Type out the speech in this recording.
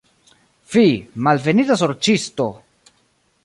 Fi, malbenita sorĉisto!